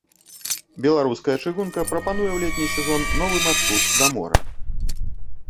Беларуская чыгунка прапануе ў летні сезон новы маршрут да мора.